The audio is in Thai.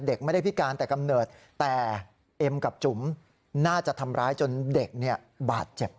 เด็กไม่ได้พิการแต่กำเนิดแต่เอ็มกับจุ๋มน่าจะทำร้ายจนเด็กบาดเจ็บ